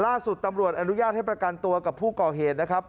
ล่าสุดตำรวจอนุญาตให้ประกันตัวกับผู้ก่อเหตุนะครับ